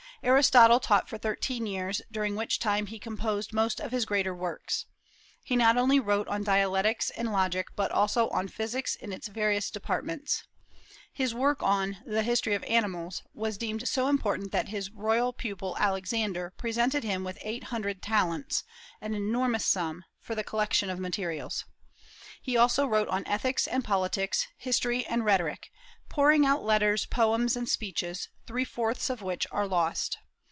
Aristotle taught for thirteen years, during which time he composed most of his greater works. He not only wrote on dialectics and logic, but also on physics in its various departments. His work on "The History of Animals" was deemed so important that his royal pupil Alexander presented him with eight hundred talents an enormous sum for the collection of materials. He also wrote on ethics and politics, history and rhetoric, pouring out letters, poems, and speeches, three fourths of which are lost.